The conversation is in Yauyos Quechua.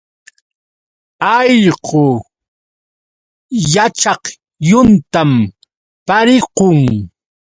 Allqu chakaklluntam pariqun.